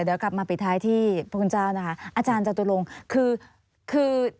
เดี๋ยวกลับมาปิดท้ายที่พระคุณเจ้านะคะอาจารย์จตุลงคือคือ